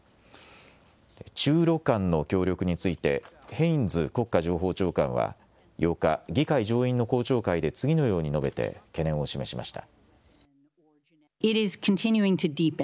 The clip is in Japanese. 中ロ間の協力について、ヘインズ国家情報長官は、８日、議会上院の公聴会で次のように述べて、懸念を示しました。